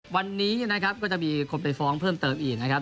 วันนี้นะครับก็จะมีคนไปฟ้องเพิ่มเติมอีกนะครับ